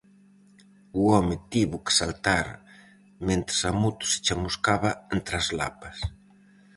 O home tivo que saltar mentres a moto se chamuscaba entre as lapas.